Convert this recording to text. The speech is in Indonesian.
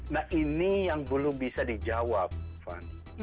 nah ini yang belum bisa dijawab fani